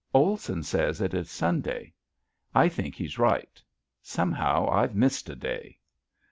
Olson says it is Sunday. I think he's right. Somehow I've missed a day.